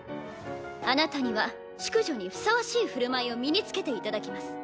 あなたには淑女にふさわしい振る舞いを身に付けていただきます。